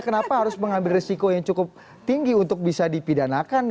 kenapa harus mengambil resiko yang cukup tinggi untuk bisa dipidanakan